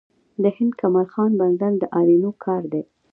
د هلمند کمال خان بند د آرینو کار دی